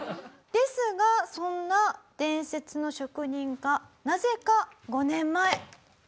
ですがそんな伝説の職人がなぜか。